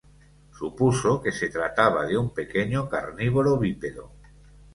Supuso que se trataba de un pequeño carnívoro bípedo.